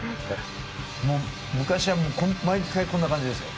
昔は毎回こんな感じですよ。